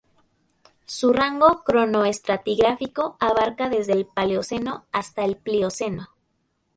Su rango cronoestratigráfico abarca desde el Paleoceno hasta el Plioceno.